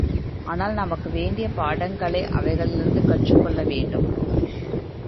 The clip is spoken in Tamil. ஆனால் நமக்கு வேண்டிய பாடங்களை அவைகளிலிருந்து கற்றுக் கொள்ள வேண்டும்.